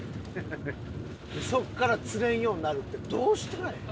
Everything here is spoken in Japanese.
そこから釣れんようになるってどうしたらええ？